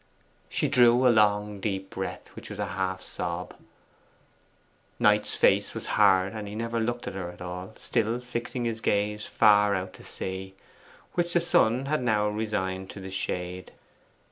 She drew a long deep breath, which was half a sob. Knight's face was hard, and he never looked at her at all, still fixing his gaze far out to sea, which the sun had now resigned to the shade.